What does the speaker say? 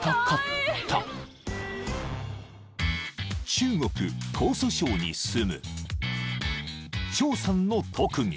［中国江蘇省に住む張さんの特技］